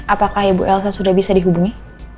apakah ibu elsa sudah bisa dihubungi